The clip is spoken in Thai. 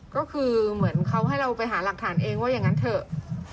ก็คือเหมือนเขาให้เราไปหาหลักฐานเองว่าอย่างนั้นเถอะ